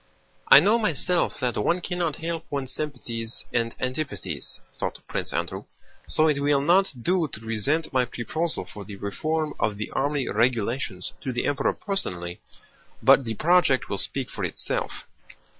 "I know myself that one cannot help one's sympathies and antipathies," thought Prince Andrew, "so it will not do to present my proposal for the reform of the army regulations to the Emperor personally, but the project will speak for itself."